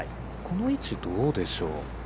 この位置どうでしょう。